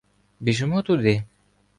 Біжимо туди.